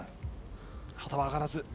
旗は上がらず。